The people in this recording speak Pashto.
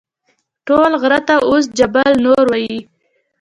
ټول غره ته اوس جبل نور وایي.